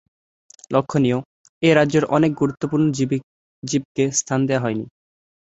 লক্ষণীয়, এই রাজ্যে অনেক গুরুত্বপূর্ণ জীবকে স্থান দেয়া হয়নি।